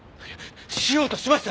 しようとしました！